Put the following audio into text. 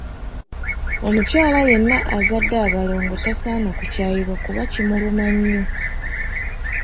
Omukyala yenna azadde abalongo tasaana kukyayibwa kuba kimuluma nnyo.